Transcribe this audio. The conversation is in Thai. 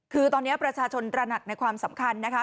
คือตอนนี้ประชาชนตระหนักในความสำคัญนะคะ